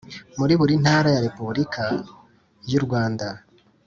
Muri buri Ntara ya Repubulika y urwanda